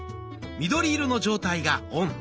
緑色の状態がオン。